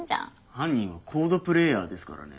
犯人はＣＯＤＥプレイヤーですからね。